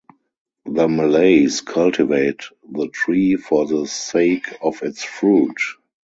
The Malays cultivate the tree for the sake of its fruit.